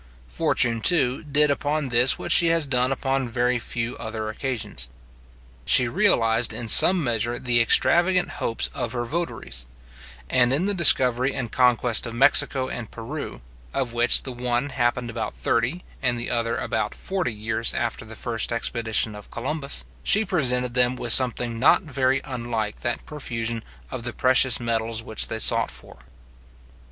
Fortune, too, did upon this what she has done upon very few other occasions. She realized in some measure the extravagant hopes of her votaries; and in the discovery and conquest of Mexico and Peru (of which the one happened about thirty, and the other about forty, years after the first expedition of Columbus), she presented them with something not very unlike that profusion of the precious metals which they sought for.